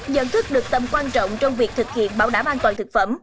nhận thức được tầm quan trọng trong việc thực hiện bảo đảm an toàn thực phẩm